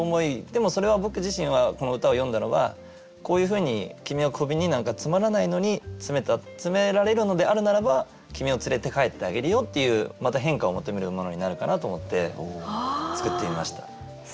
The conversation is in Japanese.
でもそれは僕自身はこの歌を詠んだのはこういうふうに君は小瓶になんか詰まらないのに詰められるのであるならば君を連れて帰ってあげるよっていうまた返歌を求めるものになるかなと思って作ってみました。